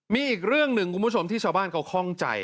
มีอีกเรื่องหนึ่งคุณผู้ชมที่ชาวบ้านเขาคล่องใจ